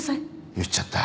言っちゃった。